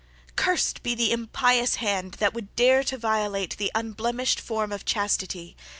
Curst be the impious hand that would dare to violate the unblemished form of Chastity!